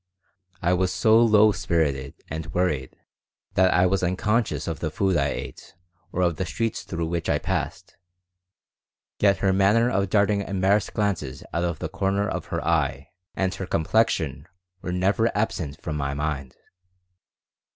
I was so low spirited and worried that I was unconscious of the food I ate or of the streets through which I passed, yet her manner of darting embarrassed glances out of the corner of her eye and her complexion were never absent from my mind.